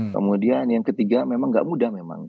kemudian yang ketiga memang tidak mudah memang